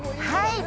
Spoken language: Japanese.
はい。